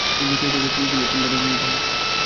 এই নেতিয়ে যাওয়া ফুলগুলো এতিমখানায় নিয়ে যাও।